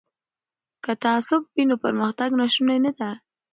که تعصب وي نو پرمختګ ناشونی دی.